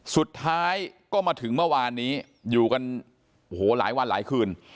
สุดท้ายก็มาถึงเมื่อวานนี้อยู่กันโอ้โหหลายวันหลายคืน